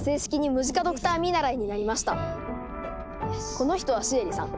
この人はシエリさん。